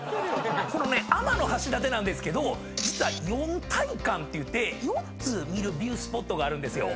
このね天橋立なんですけど実は四大観っていって４つ見るビュースポットがあるんですよ。